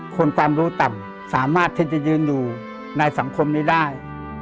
ความรู้ต่ำสามารถที่จะยืนอยู่ในสังคมนี้ได้